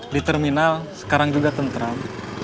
di terminal sekarang juga tentram